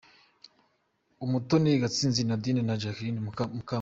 Umutoni Gatsinzi Nadine na Jackline Kamanzi